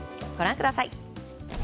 ご覧ください。